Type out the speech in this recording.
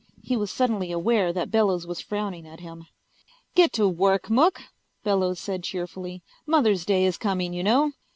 He was suddenly aware that Bellows was frowning at him. "Get to work, Mook," Bellows said cheerfully. "Mother's Day is coming, you know."